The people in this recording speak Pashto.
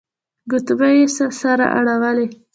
ګوتمۍ يې سره اړولې.